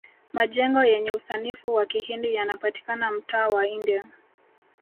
majengo yenye usanifu wa kihindi yanapatikana mtaa wa india